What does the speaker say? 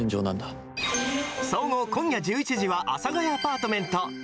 総合今夜１１時は、阿佐ヶ谷アパートメント。